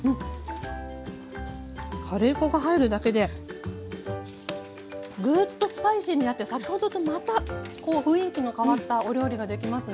カレー粉が入るだけでぐっとスパイシーになって先ほどとまた雰囲気の変わったお料理ができますね。